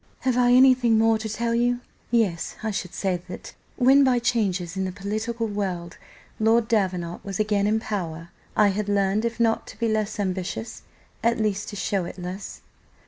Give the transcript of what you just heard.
"Have I anything more to tell you? Yes, I should say that, when by changes in the political world Lord Davenant was again in power, I had learned, if not to be less ambitious, at least to show it less.